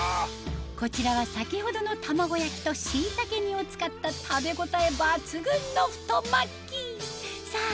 こちらは先ほどの玉子焼きとしいたけ煮を使った食べ応え抜群の太巻きさぁ